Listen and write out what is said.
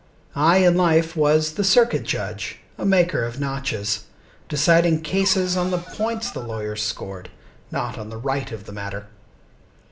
I in life was the Circuit Judge, a maker of notches, Deciding cases on the points the lawyers scored, Not on the right of the matter.